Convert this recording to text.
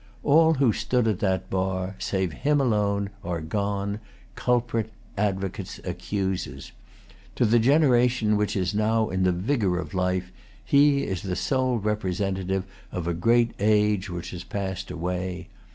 All who stood at that bar, save him alone, are gone, culprit, advocates, accusers. To the generation which is now in the vigor of life, he is the sole representative of a great age which has passed away.